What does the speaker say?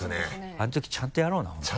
あの時ちゃんとやろうな本当ね。